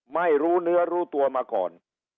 ไม่รู้เนื้อรู้ตัวมาก่อน